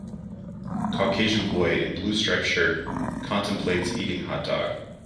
Caucasian boy in blue striped shirt contemplates eating hotdog.